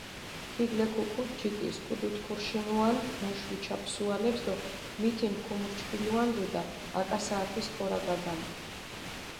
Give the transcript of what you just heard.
ქიგლექუქუდჷ ჯიკის, ქუდუთქურშინუანდჷ მუშ უჩა ფსუალეფს დო მითინ ქუმურჩქილუანდუ-და, აკა საათის ქორაგადანდჷ.